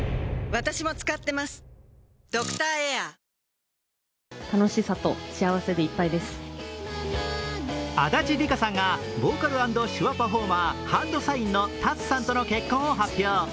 うちのごはんキッコーマン足立梨花さんがボーカル＆手話パフォーマーＨＡＮＤＳＩＧＮのＴＡＴＳＵさんとの結婚を発表。